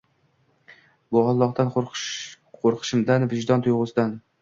Bu Allohdan ko'rqishimdan, vijdon tuyg'usidan.